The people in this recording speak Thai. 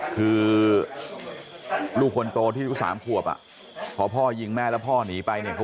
คือลูกคนโตที่อายุ๓ขวบอ่ะพอพ่อยิงแม่แล้วพ่อหนีไปเนี่ย